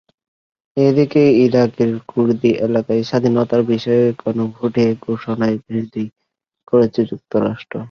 এদিকে ইরাকের কুর্দি এলাকায় স্বাধীনতার বিষয়ে গণভোটের ঘোষণার বিরোধিতা করেছে যুক্তরাষ্ট্র।